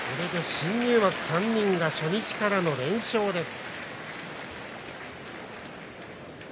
新入幕３人が初日から連勝です。